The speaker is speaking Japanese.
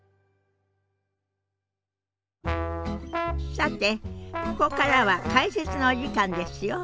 さてここからは解説のお時間ですよ。